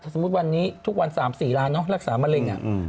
สมมุติวันนี้ทุกวัน๓๔ล้านเนอะรักษามะเร็ง